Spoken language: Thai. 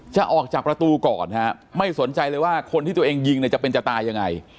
จะออกจากประตูก่อนฮะไม่สนใจเลยว่าคนที่ตัวเองยิงเนี่ยจะเป็นจะตายยังไง